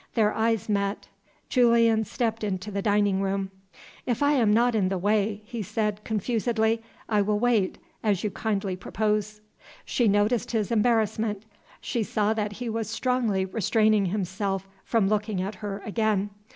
Their eyes met. Julian stepped into the dining room. "If I am not in the way," he said, confusedly, "I will wait, as you kindly propose." She noticed his embarrassment; she saw that he was strongly restraining himself from looking at her again.